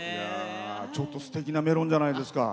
すてきなメロンじゃないですか。